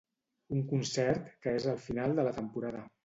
Un concert que és el final de la temporada.